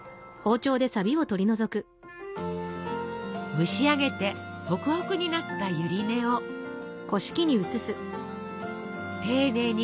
蒸し上げてホクホクになったゆり根を丁寧にこしてなめらかに。